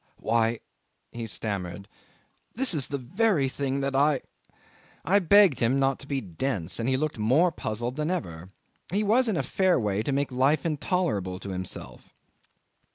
Why," he stammered, "this is the very thing that I ..." I begged him not to be dense, and he looked more puzzled than ever. He was in a fair way to make life intolerable to himself